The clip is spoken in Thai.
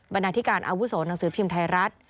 นาธิการอาวุโสหนังสือพิมพ์ไทยรัฐ